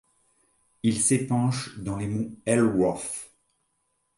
Il s'épanche dans les monts Ellsworth.